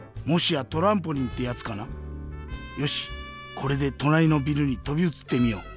これでとなりのビルにとびうつってみよう。